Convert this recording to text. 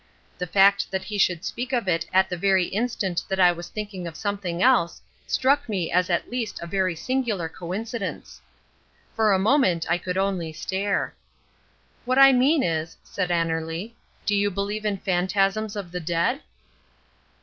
The fact that he should speak of it at the very instant when I was thinking of something else, struck me as at least a very singular coincidence. For a moment I could only stare. "What I mean is," said Annerly, "do you believe in phantasms of the dead?"